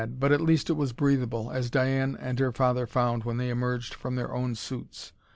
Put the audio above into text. But at least it was breathable, as Diane and her father found when they emerged from their own suits.